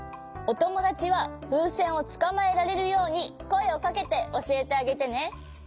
おともだちはふうせんをつかまえられるようにこえをかけておしえてあげてね！